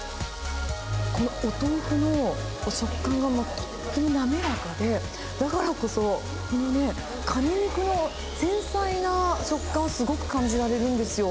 このお豆腐の食感がとっても滑らかで、だからこそ、このね、カニ肉の繊細な食感、すごく感じられるんですよ。